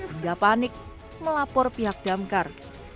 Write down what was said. hingga panik melapor pihak damkar